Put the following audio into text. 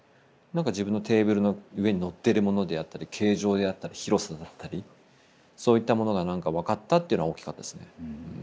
なんか自分のテーブルの上にのってるものであったり形状であったり広さだったりそういったものがなんか分かったっていうのは大きかったっすね。